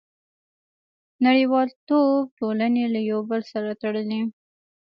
• نړیوالتوب ټولنې له یو بل سره تړلي.